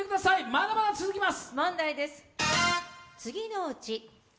まだまだ続きます！